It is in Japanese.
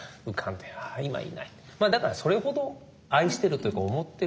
だからそれほど愛してるというか思ってる。